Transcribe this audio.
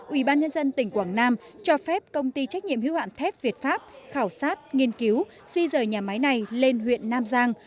ủy ban nhân dân tỉnh quảng nam cho phép công ty trách nhiệm hiếu hạn thép việt pháp khảo sát nghiên cứu di rời nhà máy này lên huyện nam giang